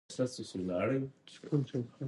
افغانستان د خپل ښه زراعت له امله شهرت لري.